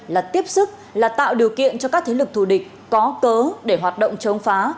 là tiếp sức là tạo điều kiện cho các thế lực thù địch có cớ để hoạt động chống phá